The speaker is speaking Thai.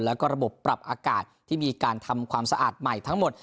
แล้วก็ระบบปรับอากาศที่มีการทำความสะอาดใหม่ทั้งหมด